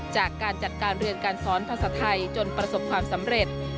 จากการจัดการเรียนการสอนภาษาไทยจนประสบความสำเร็จ